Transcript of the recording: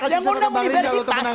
yang undang universitas